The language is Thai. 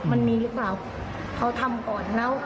มันมีหรือเปล่าเขาทำก่อนแล้ว